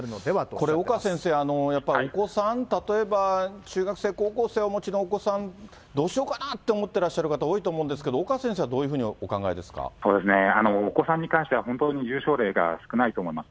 これ岡先生、やっぱりお子さん、例えば中学生、高校生をお持ちのお子さん、どうしようかなと思ってる方、多いと思うんですけど、岡先生はどそうですね、お子さんに関しては本当に重症例が少ないと思います。